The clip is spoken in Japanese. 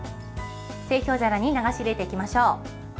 製氷皿に流し入れていきましょう。